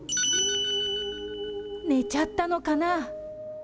寝ちゃったのかな。